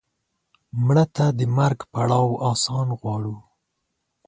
مړه ته د مرګ پړاو آسان غواړو